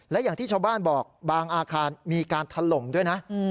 และอย่างที่ชาวบ้านบอกบางอาคารมีการถล่มด้วยนะ